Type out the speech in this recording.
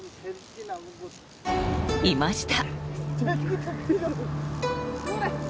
いました！